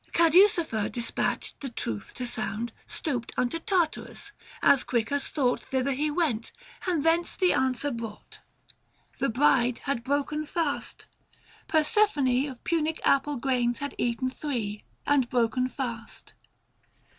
Caducifer, despatched the truth to sound, Stooped unto Tartarus ; as quick as thought Thither he went, and thence the answer brought — The bride had broken fast : Persephone 695 Of Punic apple grains had eaten three, And broken fast.